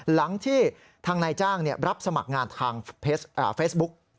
หลังที่ทางนายจ้างรับสมัครงานทางเฟซบุ๊ก